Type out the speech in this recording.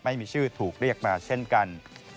ไม่มีชื่อถูกเรียกมาเช่นกัน